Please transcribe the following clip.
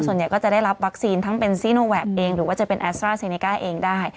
ส่วนใหญ่ก็จะได้รับวัคซีนทั้งเป็นซีโนแวคเองหรือว่าจะเป็นแอสตราเซเนก้าเองได้